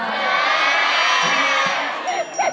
ไหมครับเพลงนี้มันเป็นยังไงว้านหวานว้านเหมือนหน้าตา